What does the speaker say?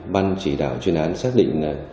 ban chỉ đạo truyền án xác định